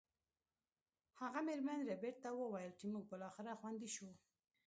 هغه میرمن ربیټ ته وویل چې موږ بالاخره خوندي شو